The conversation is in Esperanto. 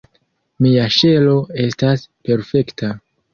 Mia ŝelo estas perfekta.